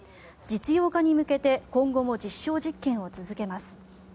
実用化に向けて今後も実証実験を続けます。